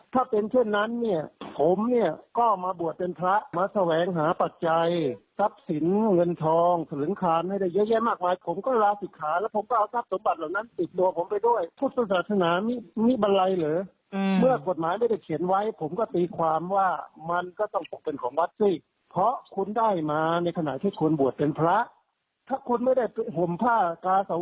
ถ้าคุณบวชเป็นพระถ้าคุณไม่ได้ห่มผ้ากาสวพรรค